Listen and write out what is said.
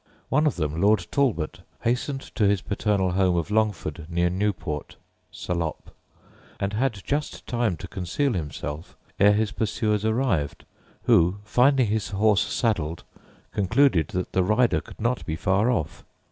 One of them, Lord Talbot, hastened to his paternal home of Longford, near Newport (Salop), and had just time to conceal himself ere his pursuers arrived, who, finding his horse saddled, concluded that the rider could not be far off.